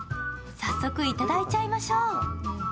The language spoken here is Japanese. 早速、いただいちゃいましょう。